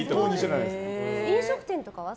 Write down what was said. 飲食店とかは？